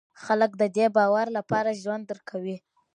خلک د دې باور لپاره ژوند ورکوي.